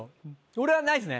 俺はないっすね